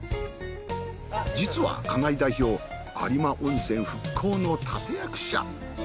実は金井代表有馬温泉復興の立て役者。